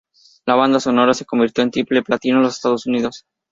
La banda sonora se convirtió en triple platino en los Estados Unidos.